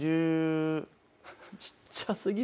ちっちゃ過ぎる。